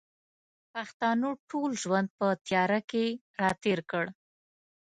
پښتنو ټول ژوند په تیاره کښې را تېر کړ